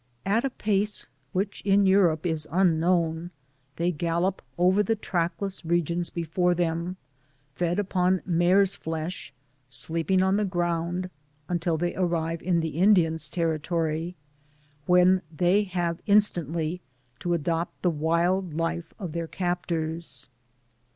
At a pace which in Europe is unknown, they gallop over the trackless regions before them, fed upon mare's flesh, sleeping on the ground, until they arrive in the Indians' territory, when they have instantly to adopt the wild life of their captors.